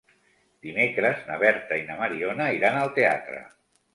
Dimecres na Berta i na Mariona iran al teatre.